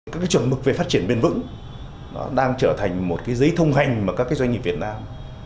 các chuẩn mực về phát triển bền vững đang trở thành một giấy thông hành mà các doanh nghiệp việt nam